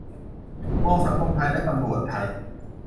มองสังคมไทยและตำรวจไทย